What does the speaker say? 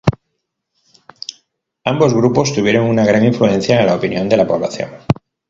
Ambos grupos tuvieron una gran influencia en la opinión de la población.